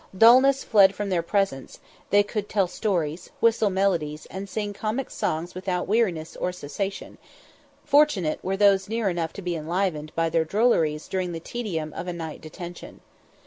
Dulness fled from their presence; they could tell stories, whistle melodies, and sing comic songs without weariness or cessation: fortunate were those near enough to be enlivened by their drolleries during the tedium of a night detention.